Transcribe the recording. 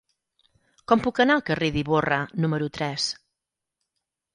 Com puc anar al carrer d'Ivorra número tres?